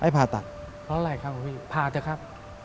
เพราะอะไรครับผ่าเถอะครับ